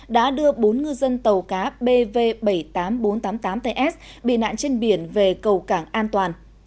đã đưa bốn ngư dân tàu cá bv bảy mươi tám nghìn bốn trăm tám mươi tám ts bị nạn trên biển về cầu cảng an toàn